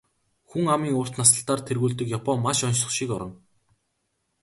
Хүн амын урт наслалтаар тэргүүлдэг Япон маш оньсого шиг орон.